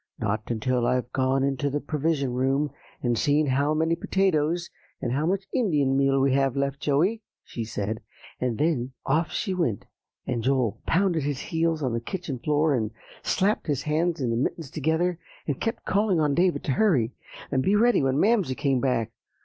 'Not until I've gone into the Provision Room and seen how many potatoes, and how much Indian meal we have left, Joey,' she said. And then off she went, and Joel pounded his heels on the kitchen floor, and slapped his hands in the mittens together, and kept calling on David to hurry and be ready when Mamsie came back.